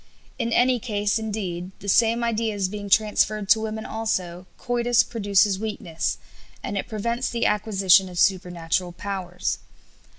In any case, indeed, the same ideas being transferred to women also, coitus produces weakness, and it prevents the acquisition of supernatural powers.